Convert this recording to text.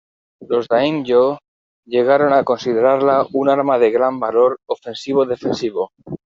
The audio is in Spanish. Los "daimyō" llegaron a considerarla un arma de gran valor ofensivo-defensivo.